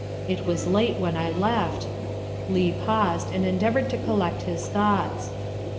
It was late when I left Leigh paused and endeavored to collect his thoughts.